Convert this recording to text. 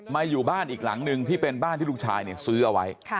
อยู่บ้านอีกหลังหนึ่งที่เป็นบ้านที่ลูกชายซื้อเอาไว้